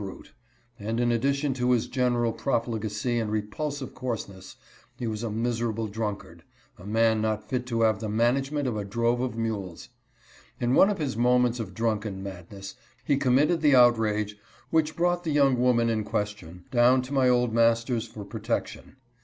r~ttte ; and, in addition to his general profligacy and repulsive coarseness, he was a miserable drunkard, a man not fit to have the management of a drove of mules. In one of his moments of drunken madness he committed the outrage which brought the young woman in question down to my old master's for protection.